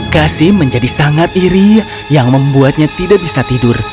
kasim menjadi sangat iri yang membuatnya tidak bisa tidur